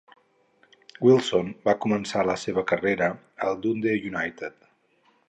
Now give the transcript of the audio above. Wilson va començar la seva carrera al Dundee United.